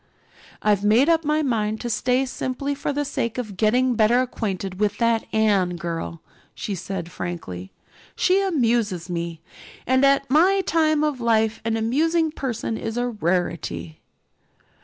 "I've made up my mind to stay simply for the sake of getting better acquainted with that Anne girl," she said frankly. "She amuses me, and at my time of life an amusing person is a rarity."